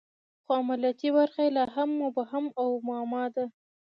خو عملیاتي برخه یې لا هم مبهم او معما ده